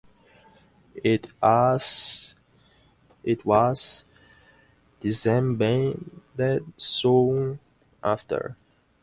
It was disbanded soon after.